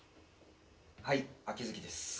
はい秋月です。